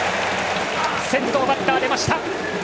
先頭バッター出ました。